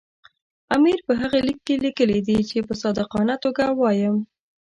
امیر په هغه لیک کې لیکلي دي چې په صادقانه توګه وایم.